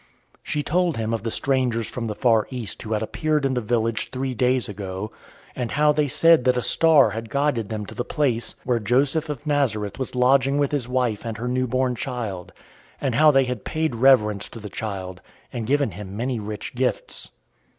She told him of the strangers from the far East who had appeared in the village three days ago, and how they said that a star had guided them to the place where Joseph of Nazareth was lodging with his wife and her new born child, and how they had paid reverence to the child and given him many rich gifts.